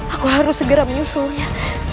aku harus segera menyusulnya